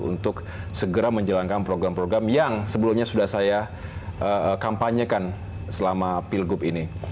untuk segera menjalankan program program yang sebelumnya sudah saya kampanyekan selama pilgub ini